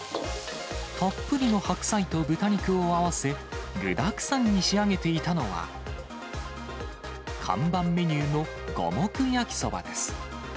たっぷりの白菜と豚肉を合わせ、具だくさんに仕上げていたのは、看板メニューの五目焼きそばです。